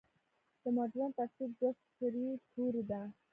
د مډرن تفسیر دوه سرې توره ده.